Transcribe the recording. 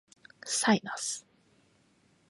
サイナス